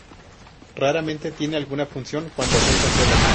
Raramente tiene alguna función cuando se usa sola.